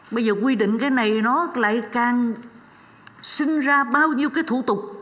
bây giờ quy định cái này nó lại càng sinh ra bao nhiêu cái thủ tục